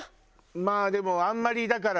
まあでもあんまりだから。